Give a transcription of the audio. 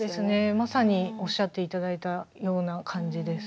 まさにおっしゃって頂いたような感じです。